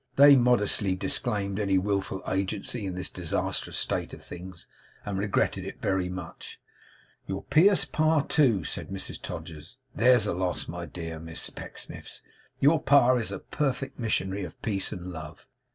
They modestly disclaimed any wilful agency in this disastrous state of things, and regretted it very much. 'Your pious pa, too,' said Mrs Todgers. 'There's a loss! My dear Miss Pecksniffs, your pa is a perfect missionary of peace and love.